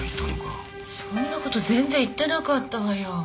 そんなこと全然言ってなかったわよ。